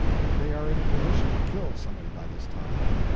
They are in a condition to kill somebody by this time.